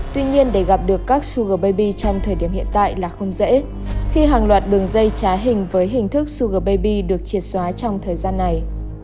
tuy nhiên để gặp được các sugle baby trong thời điểm hiện tại là không dễ khi hàng loạt đường dây trá hình với hình thức sugle bab được triệt xóa trong thời gian này